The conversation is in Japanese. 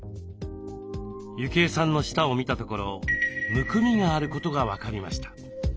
幸枝さんの舌を診たところむくみがあることが分かりました。